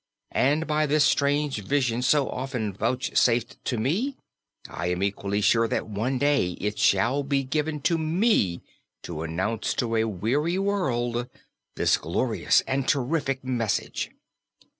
And, by this strange vision so often vouchsafed to me, I am equally sure that one day it shall be given to me to announce to a weary world this glorious and terrific message."